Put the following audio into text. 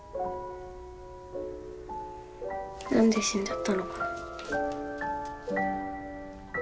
何で死んじゃったのかな？